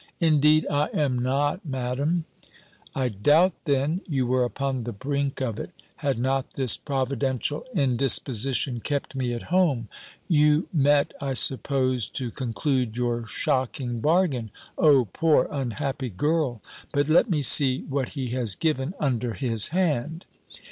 "Indeed I am not, Madam." "I doubt, then, you were upon the brink of it, had not this providential indisposition kept me at home. You met, I suppose, to conclude your shocking bargain. O poor unhappy girl! But let me see what he has given under his hand!"